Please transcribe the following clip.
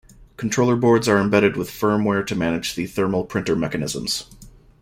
Controller boards are embedded with firmware to manage the thermal printer mechanisms.